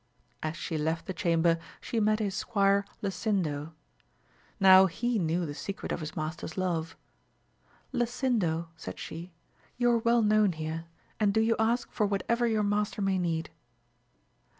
As she left the chamber she met his squire Lasindo ; now lie knew the secret of his master's love. Lasindo, said she, you are well known here, and do you ask for whatever your master may need.